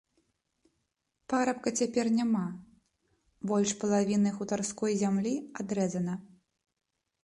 Парабка цяпер няма, больш палавіны хутарской зямлі адрэзана.